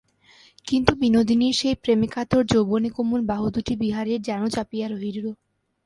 কিন্তু বিনোদিনীর সেই প্রেমে-কাতর যৌবনে-কোমল বাহুদুটি বিহারীর জানু চাপিয়া রহিল।